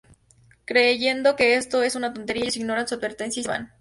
Creyendo que esto es una tontería, ellos ignoran su advertencia y se van.